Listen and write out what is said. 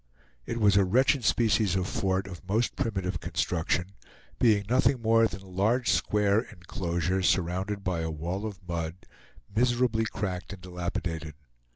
It was a wretched species of fort of most primitive construction, being nothing more than a large square inclosure, surrounded by a wall of mud, miserably cracked and dilapidated.